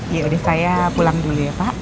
yaudah saya pulang dulu ya pak